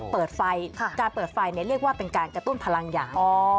เปิดไฟการเปิดไฟเรียกว่าเป็นการกระตุ้นพลังอย่าง